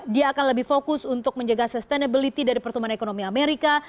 dia akan lebih fokus untuk menjaga sustainability dari pertumbuhan ekonomi amerika